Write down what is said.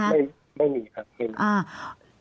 ไม่มีครับ